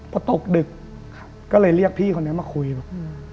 พอตกดึกก็เลยเรียกพี่คนนี้มาคุยบอกอืม